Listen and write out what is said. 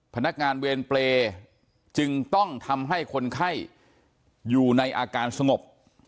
พนักงานเวรเปรย์จึงต้องทำให้คนไข้อยู่ในอาการสงบ